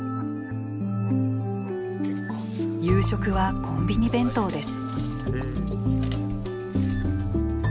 夕食はコンビニ弁当です。